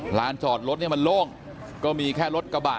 ลานจอดรถเนี่ยมันโล่งก็มีแค่รถกระบะ